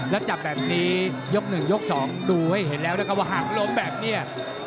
แล้วจับแบบนี้ยก๑ยก๒ดูให้เห็นแล้วนะครับว่าหากล้มแบบนี้